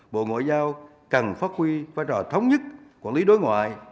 bộ ngoại giao cần phát huy vai trò thống nhất quản lý đối ngoại